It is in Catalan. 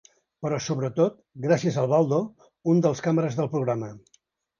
Però sobretot, gràcies al Baldo, un dels càmeres del programa.